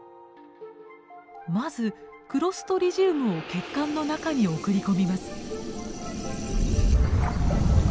まずクロストリジウムを血管の中に送り込みます。